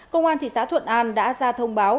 công an thị xã thuận an đã ra thông báo